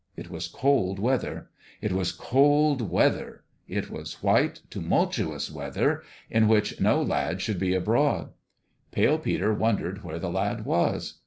It was cold weather : it was cold weather it was white, tumultuous weather, in which no lad should be abroad. Pale Pater wondered where the lad was.